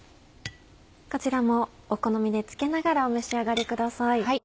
こちらもお好みで付けながらお召し上がりください。